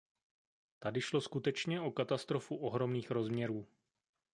Tady šlo skutečně o katastrofu ohromných rozměrů.